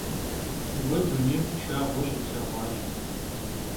Vue dunêym pşşağue şıplheğuaş.